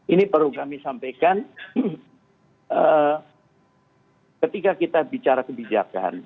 ini perlu kami sampaikan ketika kita bicara kebijakan